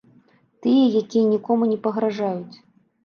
Тыя, якія нікому не пагражаюць.